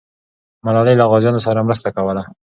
ملالۍ له غازیانو سره مرسته کوله.